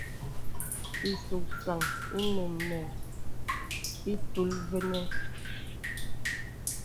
Ìsùksaŋ ìnə mə ìtul və̄nə̄.